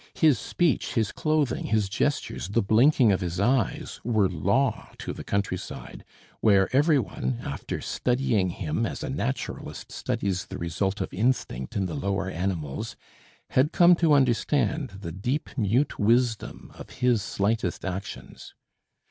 His speech, his clothing, his gestures, the blinking of his eyes, were law to the country side, where every one, after studying him as a naturalist studies the result of instinct in the lower animals, had come to understand the deep mute wisdom of his slightest actions.